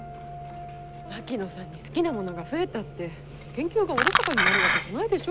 槙野さんに好きなものが増えたって研究がおろそかになるわけじゃないでしょ？